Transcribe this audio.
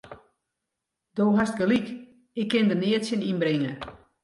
Do hast gelyk, ik kin der neat tsjin ynbringe.